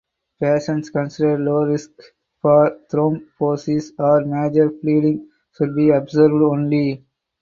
Patients considered low risk for thrombosis or major bleeding should be observed only.